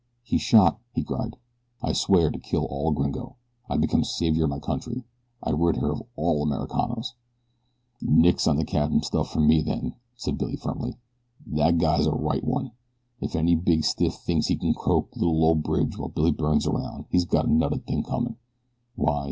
"He shot," he cried. "I swear to kill all gringo. I become savior of my country. I rid her of all Americanos." "Nix on the captain stuff fer me, then," said Billy, firmly. "That guy's a right one. If any big stiff thinks he can croak little ol' Bridge while Billy Byrne's aroun' he's got anudder t'ink comin'.